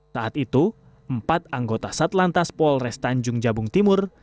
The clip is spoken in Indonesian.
saat itu empat anggota satlantas polres tanjung jabung timur